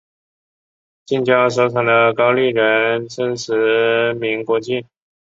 近郊所产的高丽人参驰名国际。